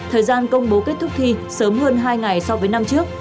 thời gian công bố kết thúc thi sớm hơn hai ngày so với năm trước